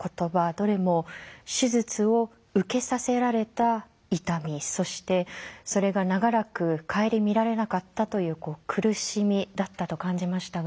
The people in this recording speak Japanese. どれも手術を受けさせられた痛みそしてそれが長らく顧みられなかったという苦しみだったと感じましたが。